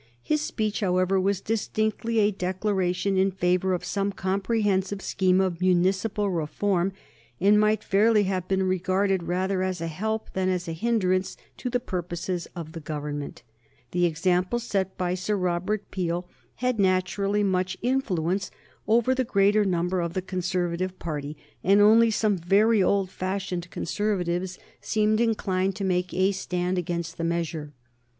His speech, however, was distinctly a declaration in favor of some comprehensive scheme of municipal reform, and might fairly have been regarded rather as a help than as a hinderance to the purposes of the Government. The example set by Sir Robert Peel had naturally much influence over the greater number of the Conservative party, and only some very old fashioned Conservatives seemed inclined to make a stand against the measure.